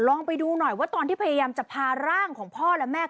ลองไปดูหน่อยว่าตอนที่พยายามจะพาร่างของพ่อและแม่